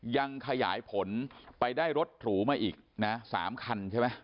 ยังขยายผลไปได้รถหรูมาอีกนะ๓คันใช่ไหม